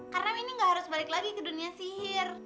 karena mini nggak harus balik lagi ke dunia sihir